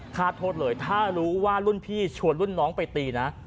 ฆ่าโทษเลยถ้ารู้ว่ารุ่นพี่ชวนรุ่นน้องไปตีนะ